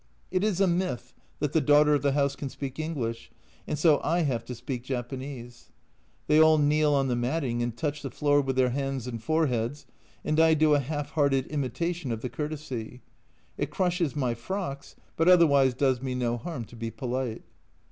It is a myth that the daughter of the house can speak English, and so I have to speak Japanese ! They all kneel on the matting and touch the floor with their hands and foreheads, and I do a half hearted imitation of the courtesy. It crushes my frocks, but otherwise does me no harm to be polite.